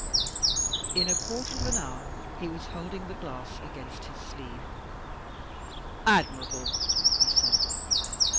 In a quarter of an hour he was holding the glass against his sleeve. "Admirable!" he said.